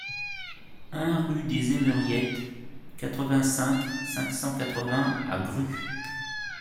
un rue des Emeriettes, quatre-vingt-cinq, cinq cent quatre-vingts à Grues